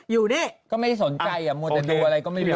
อยู่นี่ก็ไม่ได้สนใจมัวแต่ดูอะไรก็ไม่รู้